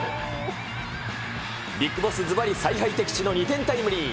ＢＩＧＢＯＳＳ、ずばり采配的中の２点タイムリー。